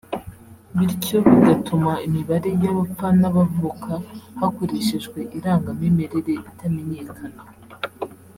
bityo bigatuma imibare y’abapfa n’abavuka hakoreshejwe irangamimerere itamenyekana